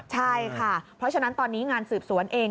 ใช่ค่ะเพราะฉะนั้นตอนนี้งานสืบสวนเอง